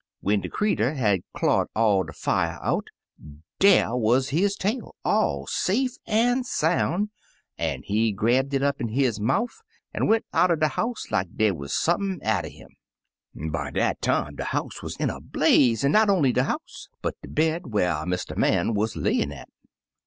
When de creetur had claw'd all de fier out, dar wuz his tail all safe an' souh', an' he grabbed it up in his mouf, an' went outer de house like dey wuz sump'n atter him. "By dat time de house wuz in a blaze^ an' not only de house, but de bed whar Mr. Man wuz layin' at.